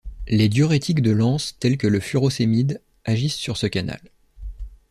Des diurétiques de l'anse tel que le furosémide agissent sur ce canal.